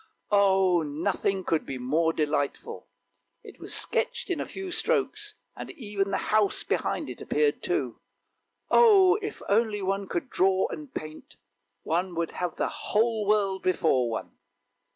Oh, nothing could be more delightful. It was sketched in a few strokes, and even the house behind it appeared too. " Oh, if one could only draw and paint! one would have the whole world before one."